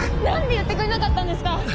何で言ってくれなかったんですか！